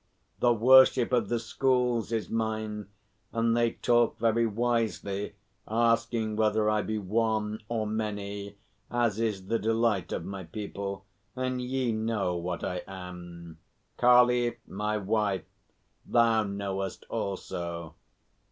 "The worship of the schools is mine, and they talk very wisely, asking whether I be one or many, as is the delight of my people, and ye know what I am. Kali, my wife, thou knowest also."